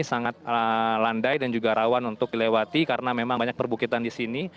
sangat landai dan juga rawan untuk dilewati karena memang banyak perbukitan di sini